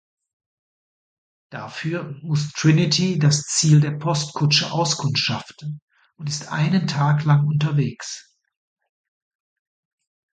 Dafür muss Trinity das Ziel der Postkutsche auskundschaften und ist einen Tag lang unterwegs.